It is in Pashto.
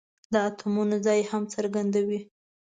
د اتومونو ځای هم څرګندوي.